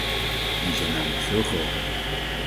Die zijn namelijk veel groter.